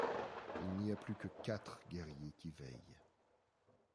Il n’y a plus que quatre guerriers qui veillent.